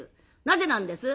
なぜなんです？